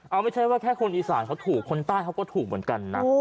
เอาไม่ใช่ว่าแค่คนอีสานเขาถูกคนใต้เขาก็ถูกเหมือนกันนะ